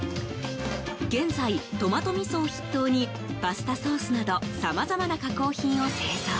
現在、とまとみそを筆頭にパスタソースなどさまざまな加工品を製造。